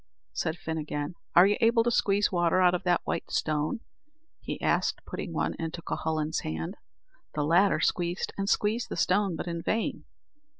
said Fin again; "are you able to squeeze water out of that white stone?" he asked putting one into Cuhullin's hand. The latter squeezed and squeezed the stone, but in vain.